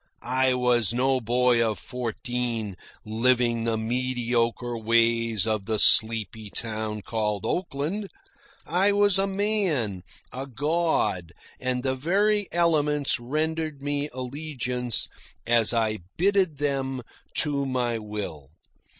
I was no boy of fourteen, living the mediocre ways of the sleepy town called Oakland. I was a man, a god, and the very elements rendered me allegiance as I bitted them to my will.